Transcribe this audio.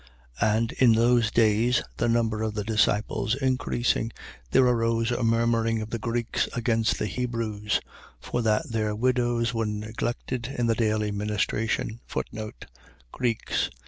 6:1. And in those days, the number of the disciples increasing, there arose a murmuring of the Greeks against the Hebrews, for that their widows were neglected in the daily ministration. Greeks.